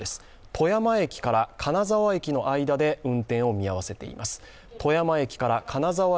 富山駅から金沢駅の間で運転を見合わせています。